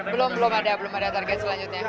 belum belum ada belum ada target selanjutnya